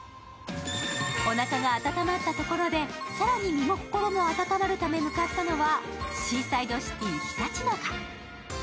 おなかが温まったところで、更に身も心も温まるため向かったのはシーサイドシティーひたちなか。